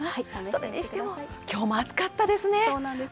それにしても今日も暑かったですね。